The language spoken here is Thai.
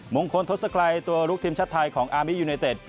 มงคลทศกรัยตัวลุกทีมชาติไทยของอามียูไนเต็ด